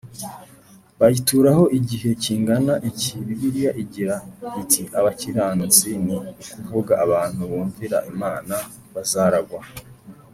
Bayituraho igihe kingana iki bibiliya igira iti abakiranutsi ni ukuvuga abantu bumvira imana bazaragwa